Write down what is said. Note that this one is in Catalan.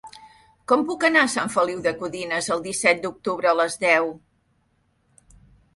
Com puc anar a Sant Feliu de Codines el disset d'octubre a les deu?